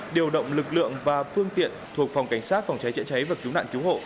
điều động lực lượng và phương tiện thuộc phòng cảnh sát phòng cháy chữa cháy và cứu nạn cứu hộ